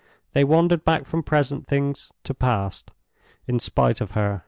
They wandered back from present things to past, in spite of her.